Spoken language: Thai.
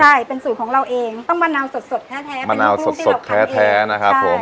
ใช่เป็นสูตรของเราเองต้องมะนาวสดสดแท้แท้มะนาวสดสดแท้แท้นะครับผม